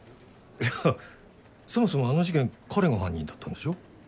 いやそもそもあの事件彼が犯人だったんでしょう？